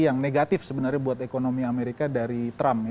yang negatif sebenarnya buat ekonomi amerika dari trump